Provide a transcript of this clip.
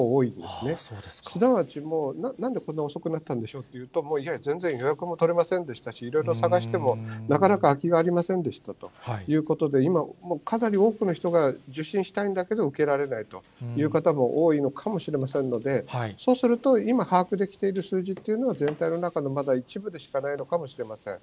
すなわち、もうなんでこんなに遅くなったんでしょうというと、もう全然予約も取れませんでしたし、いろいろ探してもなかなか空きがありませんでしたということで、今、かなり多くの人が受診したいんだけれども、受けられないという方も多いのかもしれませんので、そうすると今、把握できてる数字っていうのは、全体の中のまだ一部でしかないのかもしれません。